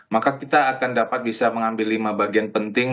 maka kita akan dapat bisa mengambil lima bagian penting